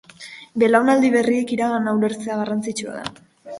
Belaunaldi berriek iragana ulertzea garrantzitsua da.